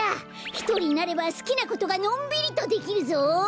ひとりになればすきなことがのんびりとできるぞ！